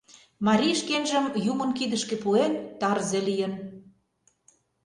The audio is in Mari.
Марий шкенжым юмын кидышке пуэн, тарзе лийын.